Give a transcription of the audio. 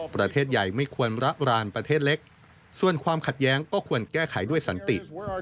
ประเทศใหญ่ไม่ควรระรานประเทศเล็กส่วนความขัดแย้งก็ควรแก้ไขด้วยสันติ